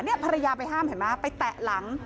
นี่ภรรยาไปห้ามเห็นไหมไปแตะหลัง